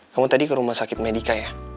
kamu tadi ke rumah sakit medica ya